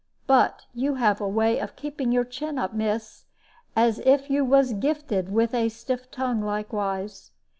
But you have a way of keeping your chin up, miss, as if you was gifted with a stiff tongue likewise.